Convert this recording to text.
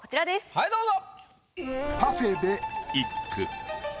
はいどうぞ。